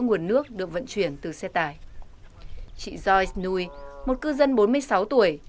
nguồn nước được vận chuyển từ xe tải chị joyce nui một cư dân bốn mươi sáu tuổi